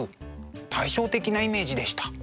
対照的なイメージでした。